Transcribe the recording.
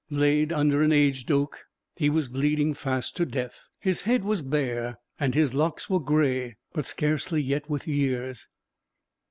Laid under an aged oak, he was bleeding fast to death; his head was bare and his locks were grey, but scarcely yet with years.